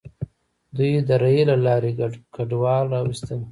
دوی د ریل له لارې کډوال راوستل.